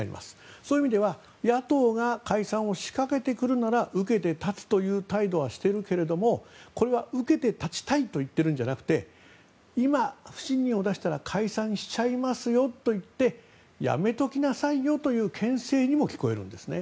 そういう意味では野党が解散を仕掛けてくるなら受けて立つという態度はしているけれどもこれは受けて立ちたいと言っているんではなくて今、不信任案を出したら解散しちゃいますよと言ってやめときなさいよというけん制にも聞こえるんですね。